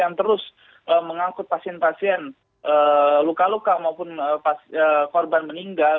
yang terus mengangkut pasien pasien luka luka maupun korban meninggal